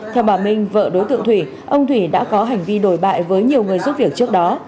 theo bà minh vợ đối tượng thủy ông thủy đã có hành vi đổi bại với nhiều người giúp việc trước đó